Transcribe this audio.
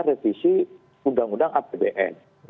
revisi undang undang apbn